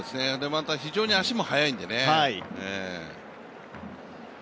非常に足も速いんでね。